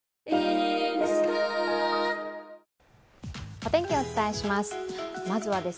お天気をお伝えします。